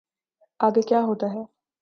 آگے کیا ہوتا ہے۔